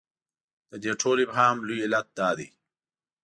د دې ټول ابهام لوی علت دا دی.